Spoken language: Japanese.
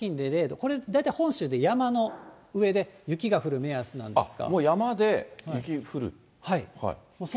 これ大体本州で、山の上で雪が降る目安なんですが。